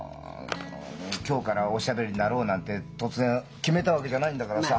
その今日からおしゃべりになろうなんて突然決めたわけじゃないんだからさ。